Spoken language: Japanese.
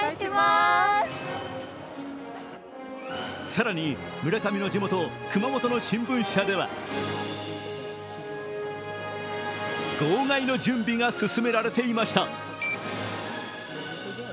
更に村上の地元熊本の新聞社では号外の準備が進められていました。